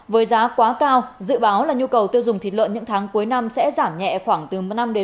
với giá quá cao dự báo là nhu cầu tiêu dùng thịt lợn những tháng cuối năm sẽ giảm nhẹ khoảng từ năm một mươi